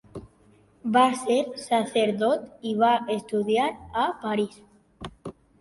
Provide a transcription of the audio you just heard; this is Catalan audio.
Va ser sacerdot i va estudiar a París.